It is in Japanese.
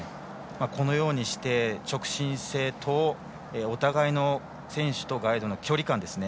このようにして直進性とお互いの選手とガイドの距離感ですね。